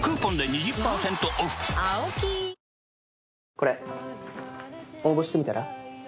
これ応募してみたら？